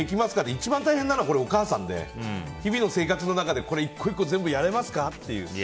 一番大変なのはお母さんで日々の生活の中でこれを１個１個全部やれますかと。